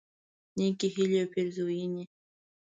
نیکی هیلی او پیرزوینی